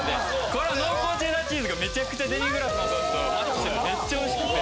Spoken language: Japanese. この濃厚チェダーチーズがめちゃくちゃデミグラスのソースとマッチしてめっちゃおいしくて。